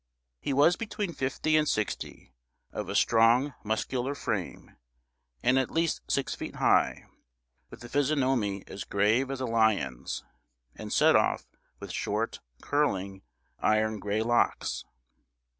He was between fifty and sixty, of a strong muscular frame, and at least six feet high, with a physiognomy as grave as a lion's, and set off with short, curling, iron gray locks.